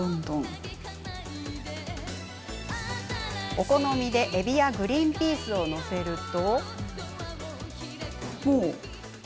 お好みでえびやグリンピースを載せると。